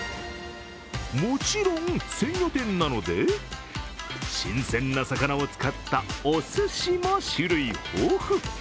もちろん鮮魚店なので新鮮な魚を使ったおすしも種類豊富。